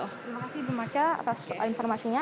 terima kasih bumaca atas informasinya